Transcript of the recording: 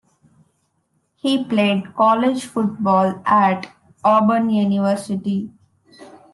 He played college football at Auburn University.